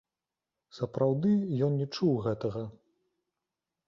Сапраўды, ён не чуў гэтага.